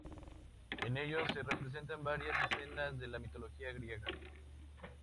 En ellos se representan varias escenas de la Mitología griega.